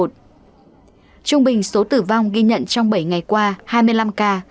trung bình số tử vong ghi nhận trong bảy ngày qua hai mươi năm ca